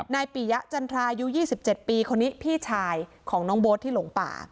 ปียะจันทรายุ๒๗ปีคนนี้พี่ชายของน้องโบ๊ทที่หลงป่า